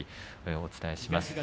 お伝えします。